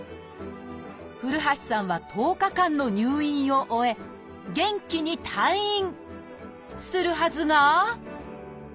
古橋さんは１０日間の入院を終え元気に退院！